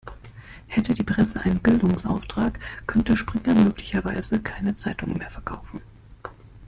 Hätte die Presse einen Bildungsauftrag, könnte Springer möglicherweise keine Zeitungen mehr verkaufen.